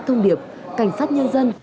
thông điệp cảnh sát nhân dân